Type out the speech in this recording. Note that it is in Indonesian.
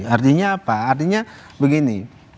artinya apa artinya begini